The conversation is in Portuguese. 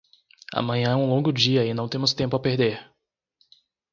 Amanhã é um longo dia e não temos tempo a perder.